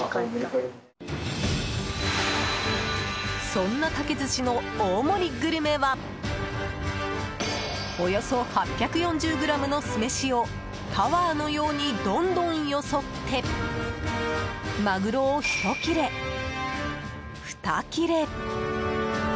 そんな竹寿司の大盛りグルメはおよそ８４０ｇの酢飯をタワーのようにどんどんよそってマグロを１切れ、２切れ。